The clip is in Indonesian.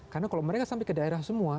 karena kalau mereka sampai ke daerah semua